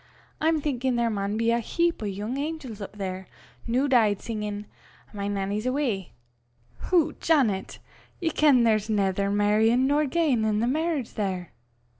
I'm thinkin' there maun be a heap o' yoong angels up there, new deid, singin', 'My Nannie's Awa.'" "Hoots, Janet! ye ken there's naither merryin' nor giein' in merriage there."